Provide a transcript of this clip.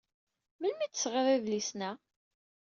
Melmi ay d-tesɣid idlisen-a?